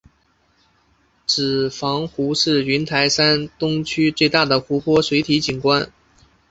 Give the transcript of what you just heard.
子房湖是云台山东区最大的湖泊水体景观。